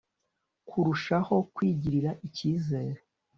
Kurushaho kwigirira icyizere